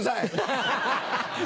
ハハハ。